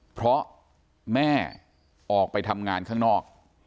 เพราะแม่ออกไปทำงานข้างนอก